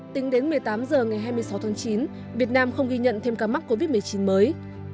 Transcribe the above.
tính đến một mươi tám h ngày hai mươi sáu tháng chín việt nam không ghi nhận thêm ca mắc covid một mươi chín mới